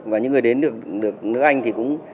và những người đến được nước anh thì cũng